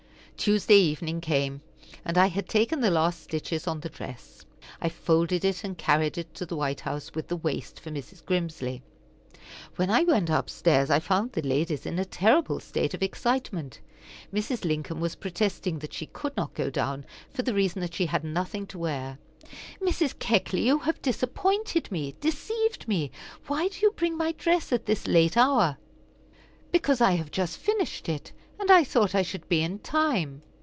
Tuesday evening came, and I had taken the last stitches on the dress. I folded it and carried it to the White House, with the waist for Mrs. Grimsly. When I went up stairs, I found the ladies in a terrible state of excitement. Mrs. Lincoln was protesting that she could not go down, for the reason that she had nothing to wear. "Mrs. Keckley, you have disappointed me deceived me. Why do you bring my dress at this late hour?" "Because I have just finished it, and I thought I should be in time."